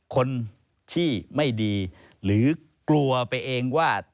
คนที่ไม่ดีหรือกลัวไปเองว่า